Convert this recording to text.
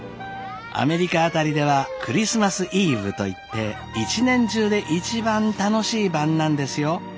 アメリカ辺りではクリスマスイーヴといって一年中で一番楽しい晩なんですよ。